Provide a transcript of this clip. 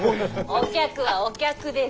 お客はお客です！